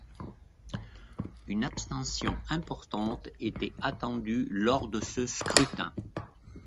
Une abstention importante était attendue lors de ce scrutin.